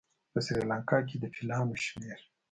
په سریلانکا کې د فیلانو شمېر